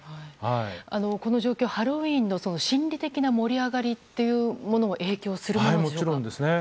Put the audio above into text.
この状況、ハロウィーンの心理的な盛り上がりというのももちろんですね。